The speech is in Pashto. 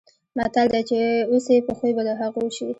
متل دی: چې اوسې په خوی به د هغو شې.